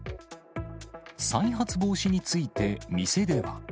再発防止について、店では。